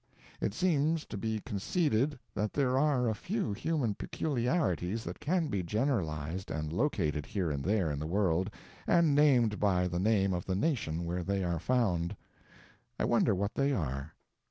It seems to be conceded that there are a few human peculiarities that can be generalized and located here and there in the world and named by the name of the nation where they are found. I wonder what they are.